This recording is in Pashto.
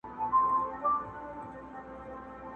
پرون ورور سبا تربور وي بیا دښمن سي،